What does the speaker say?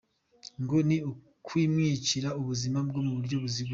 Ngo ni ukumwicira ubuzima mu buryo buziguye.